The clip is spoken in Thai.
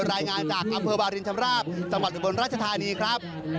รายงานจากอำเภอวารินชำราบจังหวัดอุบลราชธานีครับ